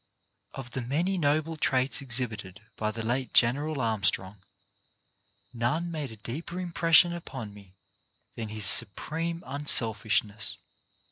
Of the many noble traits exhibited by the late General Armstrong, none made a deeper impres sion upon me than his supreme unselfishness.